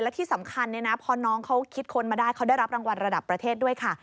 และที่สำคัญพอน้องเขาคิดค้นมาได้เขาได้รับรางวัลระดับประเทศด้วยค่ะ